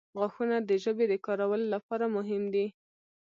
• غاښونه د ژبې د کارولو لپاره مهم دي.